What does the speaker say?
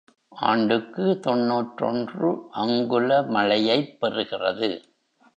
ஆண்டுக்கு தொன்னூற்றொன்று அங்குல மழையைப் பெறுகிறது.